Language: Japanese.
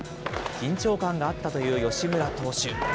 緊張感があったという吉村投手。